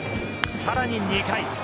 更に２回。